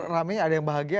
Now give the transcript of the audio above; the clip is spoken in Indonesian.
rame ada yang bahagia